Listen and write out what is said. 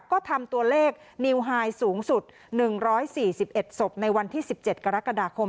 ก็ทำตัวเลขนิวไฮสูงสุด๑๔๑ศพในวันที่๑๗กรกฎาคม